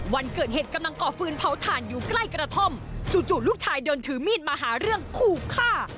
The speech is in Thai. วันเกิดเหตุกำลังก่อฟืนเผาถ่านอยู่ใกล้กระท่อมจู่ลูกชายเดินถือมีดมาหาเรื่องขู่ฆ่า